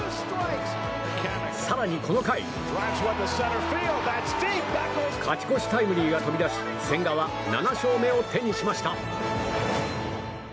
更に、この回勝ち越しタイムリーが飛び出し千賀は７勝目を手にしました。